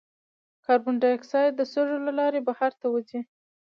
کاربن ډای اکساید د سږو له لارې بهر ته وځي.